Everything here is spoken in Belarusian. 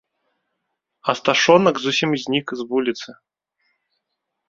Асташонак зусім знік з вуліцы.